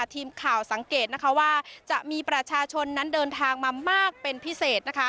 ทีมข่าวสังเกตนะคะว่าจะมีประชาชนนั้นเดินทางมามากเป็นพิเศษนะคะ